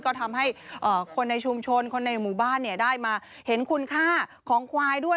ก็ทำให้คนในชุมชนคนในหมู่บ้านได้มาเห็นคุณค่าของควายด้วย